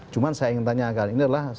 cuma saya ingin tanyakan ini adalah